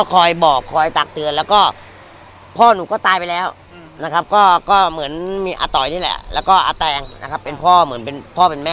ก็เป็นอาต่อยก็เหมือนเป็นพ่อคนอีกสองนะเนาะ